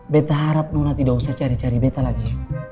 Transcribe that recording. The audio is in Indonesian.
beta harap nona tidak usah cari cari beta lagi